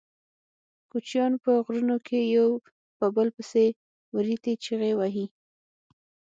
کوچیان په غرونو کې یو په بل پسې وریتې چیغې وهي.